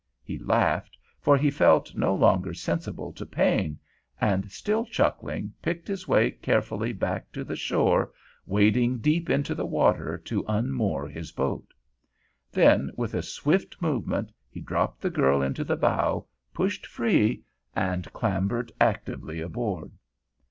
He laughed, for he felt no longer sensible to pain, and, still chuckling, picked his way carefully back to the shore, wading deep into the water to unmoor his boat. Then with a swift movement he dropped the girl into the bow, pushed free, and clambered actively aboard.